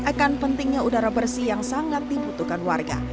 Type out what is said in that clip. akan pentingnya udara bersih yang sangat dibutuhkan warga